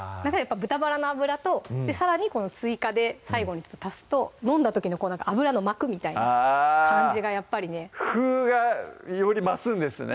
豚バラの脂とさらにこの追加で最後に足すと飲んだ時のこうなんか油の膜みたいな感じがやっぱりね「風」がより増すんですね